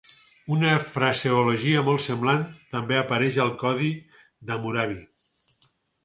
Una fraseologia molt semblant també apareix al codi d'Hammurabi.